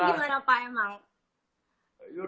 kalau di twitter gimana pak emang